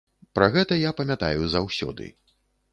Пра гэта я памятаю заўсёды.